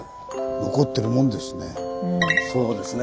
残ってるもんですね。